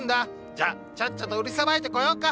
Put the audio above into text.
じゃあちゃちゃっと売りさばいてこようか！